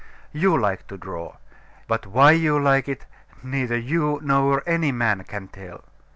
You like to draw; but why you like it neither you nor any man can tell.